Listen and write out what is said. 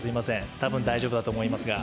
多分大丈夫だと思いますが。